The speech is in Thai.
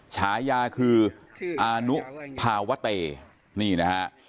ฉายาคืออานุภาวะเตนี่นะฮะ